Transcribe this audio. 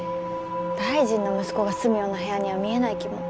大臣の息子が住むような部屋には見えない気も。